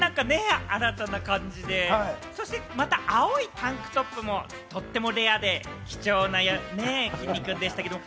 新たな感じでね、また、青いタンクトップもとってもレアで貴重なね、きんに君でしたけれども。